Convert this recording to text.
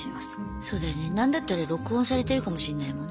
そうだよね何だったら録音されてるかもしんないもんね。